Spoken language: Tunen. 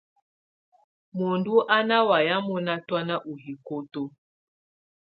Muǝndù á ná wayɛ̀ mɔnà tɔ̀́na ù hikoto.